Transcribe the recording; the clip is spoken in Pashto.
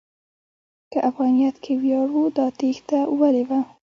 که افغانیت کې ویاړ و، دا تېښته ولې وه؟